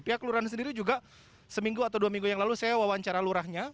pihak lurahan sendiri juga seminggu atau dua minggu yang lalu saya wawancara lurahnya